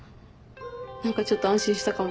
何かちょっと安心したかも。